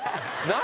何？